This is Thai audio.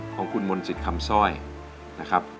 ของคุณมนต์สิทธิ์คำซ่อยนะครับ